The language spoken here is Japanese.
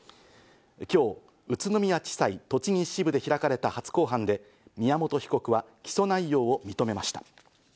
今日、宇都宮地裁栃木支部で開かれた初公判で、宮本被告は起訴内容を認めました。